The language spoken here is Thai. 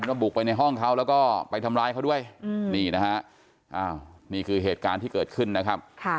บุกไปในห้องเขาแล้วก็ไปทำร้ายเขาด้วยนี่นะฮะนี่คือเหตุการณ์ที่เกิดขึ้นนะครับ